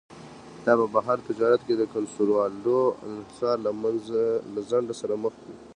دا په بهر تجارت کې د کنسولاډو انحصار له خنډ سره مخ کړي.